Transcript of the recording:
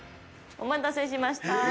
お待たせしました。